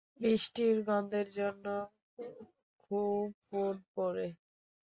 বৃষ্টির গন্ধের জন্য খুব মন পোড়ে।